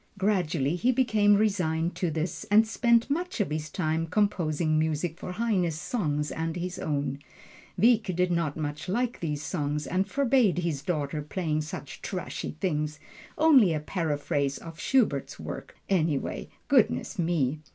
Gradually he became resigned to this, and spent much of his time composing music for Heine's songs and his own. Wieck didn't much like these songs, and forbade his daughter playing such trashy things only a paraphrase of Schubert's work, anyway, goodness me!